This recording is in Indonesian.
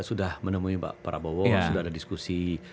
sudah menemui pak prabowo sudah ada diskusi